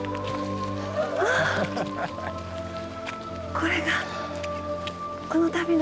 これがこの旅の。